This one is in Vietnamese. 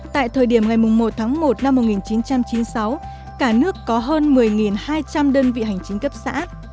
tại thời điểm ngày một tháng một năm một nghìn chín trăm chín mươi sáu cả nước có hơn một mươi hai trăm linh đơn vị hành chính cấp xã